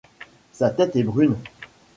Sa tête est brune.